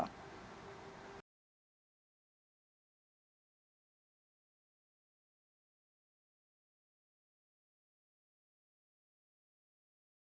terima kasih pak oktavianto